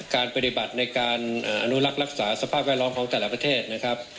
การปฏิบัติในการอนุรักษ์รักษาสภาพแวดล้อมของแต่ละประเทศนะครับ